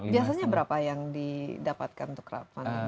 biasanya berapa yang didapatkan untuk crowdfunding